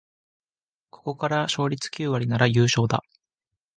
ここから勝率九割なら優勝だ